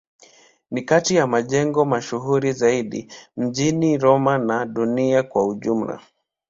Ni kati ya majengo mashuhuri zaidi mjini Roma na duniani kwa ujumla.